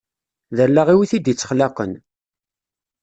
D allaɣ-iw i t-id-ittexlaqen.